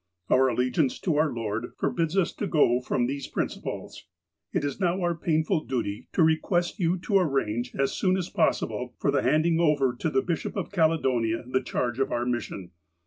Our allegiance to our Lord forbids us to go from these principles. "It is now our painful duty to request you to arrange, as soon as possible, for the handing over to the Bishop of Caledonia the charge of our mission.